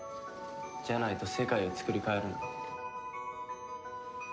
じゃないと世界をつくり変えるなんて。